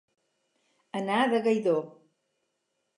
Anar de gaidó.